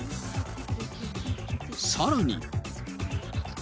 さらに。